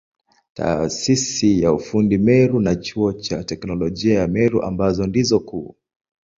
Taasisi ya ufundi Meru na Chuo cha Teknolojia ya Meru ambazo ndizo kuu.